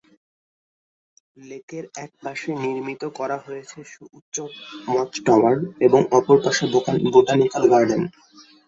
লেকের এক পাশে নির্মিত করা হয়েছে সুউচ্চ ওয়াচ টাওয়ার এবং অপর পাশে বোটানিক্যাল গার্ডেন।